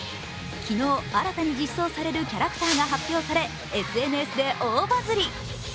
昨日、新たに実装されるキャラクターが発表され、ＳＮＳで大バズり。